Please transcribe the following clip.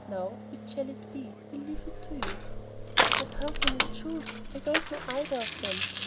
Now, which shall it be? We will leave it to you." "But how can I choose? I don't know either of them.